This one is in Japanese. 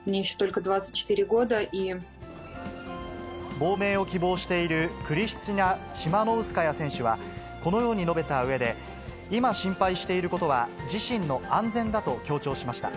亡命を希望している、クリスチナ・チマノウスカヤ選手は、このように述べたうえで、今心配していることは、自身の安全だと強調しました。